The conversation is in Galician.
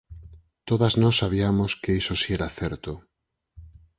Todas nós sabiamos que iso si era certo.